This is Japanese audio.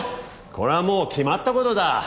これはもう決まったことだ。